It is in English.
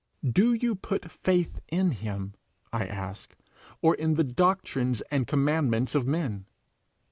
'Do you put faith in him,' I ask, 'or in the doctrines and commandments of men?'